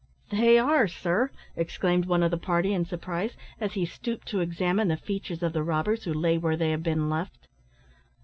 "They are, sir," exclaimed one of the party, in surprise, as he stooped to examine the features of the robbers, who lay where they had been left.